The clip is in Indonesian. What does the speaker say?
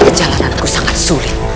kejalananku sangat sulit